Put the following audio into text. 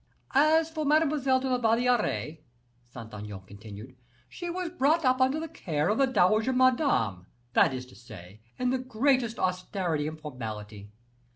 "As for Mademoiselle de la Valliere," Saint Aignan continued, "she was brought up under the care of the Dowager Madame, that is to say, in the greatest austerity and formality.